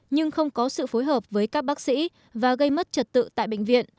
nhưng không có sự phối hợp với các bác sĩ và gây mất trật tự tại bệnh viện